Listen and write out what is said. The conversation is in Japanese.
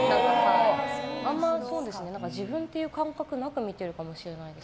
あんま自分という感覚なく見ているかもしれないです。